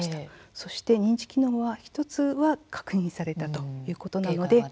そして認知機能は１つは確認されたということですね。